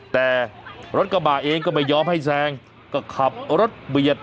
แต่รถกระบะเองก็ไม่ยอมให้แซงก็ขับรถเบียด